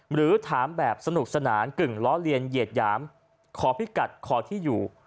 หรือถามแบบสนุกสนานกึ่งล้อเลียนเหยียดหยามขอพิกัดขอที่อยู่